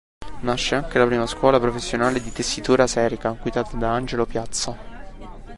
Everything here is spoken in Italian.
Nasce anche la prima scuola professionale di Tessitura Serica guidata da Angelo Piazza.